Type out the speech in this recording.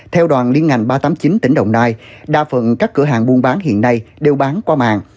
theo đoàn liên ngành ba trăm tám mươi chín tỉnh đồng nai đa phần các cửa hàng buôn bán hiện nay đều bán qua mạng